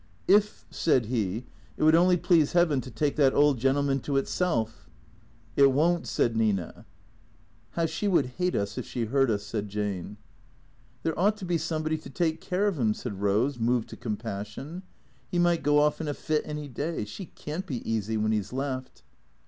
" If," said he, " it would only please Heaven to take that old gentleman to itself." " It won't," said Nina. " How she would hate us if she heard us," said Jane. " There ought to be somebody to take care of 'im," said Pose, moved to compassion. " 'E might go off in a fit any day. She can't be easy when 'e 's left."